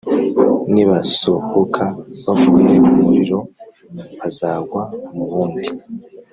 nibasohoka bavuye mu muriro bazagwa mu wundi